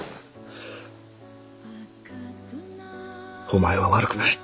お前は悪くない。